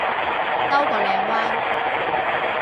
兜個靚彎